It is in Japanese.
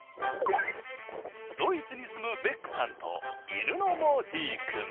ドイツに住むベックさんと犬のモーティ君。